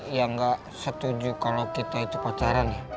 yang gak setuju kalau kita itu pacaran ya